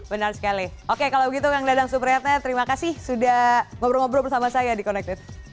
benar sekali oke kalau begitu kang dadang supriyatna terima kasih sudah ngobrol ngobrol bersama saya di connected